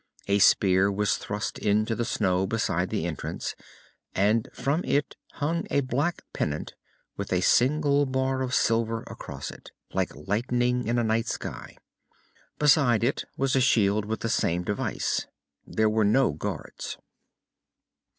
A spear was thrust into the snow beside the entrance, and from it hung a black pennant with a single bar of silver across it, like lightning in a night sky. Beside it was a shield with the same device. There were no guards.